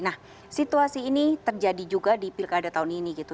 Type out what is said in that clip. nah situasi ini terjadi juga di pilkada tahun ini gitu